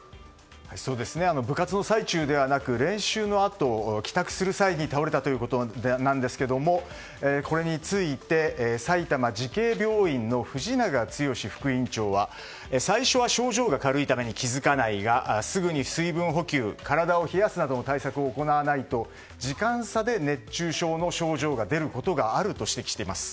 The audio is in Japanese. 部活動最中ではなく練習のあと帰宅する際に倒れたということなんですけどもこれについて埼玉慈恵病院の藤永剛副院長は最初は症状が軽いために気づかないがすぐに水分補給体を冷やすなどの対策を行わないと時間差で熱中症の症状が出ることがあると指摘しています。